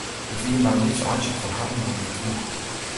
It wie mar in lyts eintsje fan harren nei myn tún.